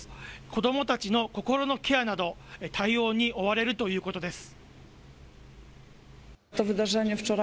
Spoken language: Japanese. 子どもたちの心のケアなど、対応に追われるということです。